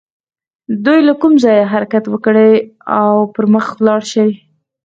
دوی له کوم ځايه حرکت وکړي او پر مخ لاړ شي.